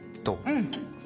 うん！